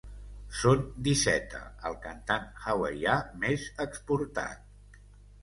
Són d'Izeta, el cantant hawaià més exportat.